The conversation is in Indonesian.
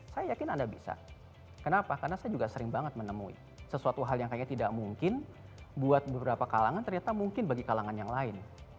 saya yakin anda bisa kenapa karena saya juga sering banget menemui sesuatu hal yang kayaknya tidak mungkin buat beberapa kalangan ternyata mungkin bagi kalangan yang lain